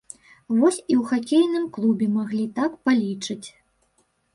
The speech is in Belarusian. Вось і ў хакейным клубе маглі так палічыць.